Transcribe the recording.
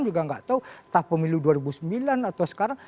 juga nggak tahu entah pemilu dua ribu sembilan atau sekarang